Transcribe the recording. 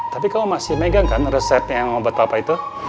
tapi kamu masih megang kan resepnya obat papa itu